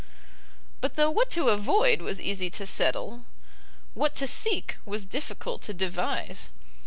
But though what to avoid was easy to settle, what to seek was difficult to devise.